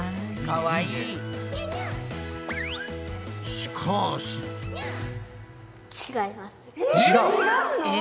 かわいい。え！？